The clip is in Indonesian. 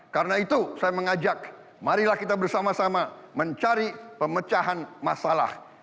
karena itu saya mengajak marilah kita bersama sama mencari pemecahan masalah